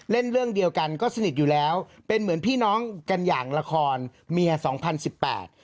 เล่นเรื่องเดียวกันก็สนิทอยู่แล้วเป็นเหมือนพี่น้องกันอย่างละครเมียสองพันสิบแปด